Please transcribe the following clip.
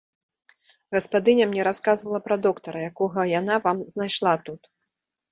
Гаспадыня мне расказвала пра доктара, якога яна вам знайшла тут.